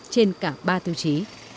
trên cả ba tiêu chí